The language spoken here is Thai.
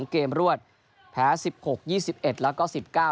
เกมรวดแพ้๑๖๒๑แล้วก็๑๙